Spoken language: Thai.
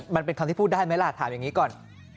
มันเป็นคำที่พูดได้ไหมล่ะถามอย่างนี้ก่อน